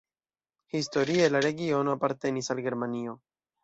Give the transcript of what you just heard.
Historie la regiono apartenis al Germanio.